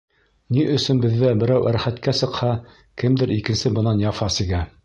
Ни өсөн беҙҙә берәү рәхәткә сыҡһа, кемдер икенсе бынан яфа сигә?